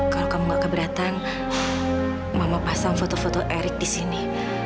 kalau kamu gak keberatan mama pasang foto foto erick di sini